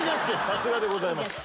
さすがでございます。